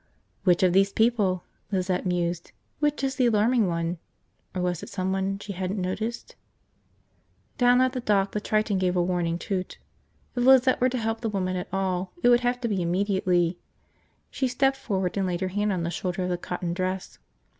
Which of these people, Lizette mused, which is the alarming one? Or was it someone she hadn't noticed. ..? Down at the dock the Triton gave a warning toot. If Lizette were to help the woman at all, it would have to be immediately. She stepped forward and laid her hand on the shoulder of the cotton dress.